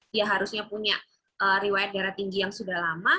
dia harusnya punya riwayat darah tinggi yang sudah lama